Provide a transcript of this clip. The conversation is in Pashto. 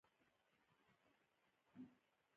تا خپل ژوند ډیر برباد کړو